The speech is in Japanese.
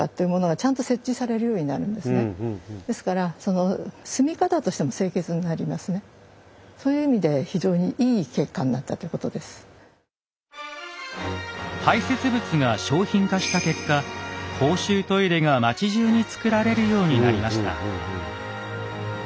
ですから排せつ物が商品化した結果公衆トイレが町じゅうにつくられるようになりました。